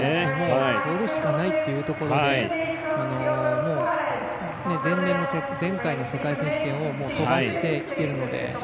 とるしかないというところで前回の世界選手権を飛ばしてきているので。